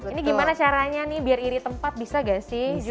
ini gimana caranya nih biar iri tempat bisa gak sih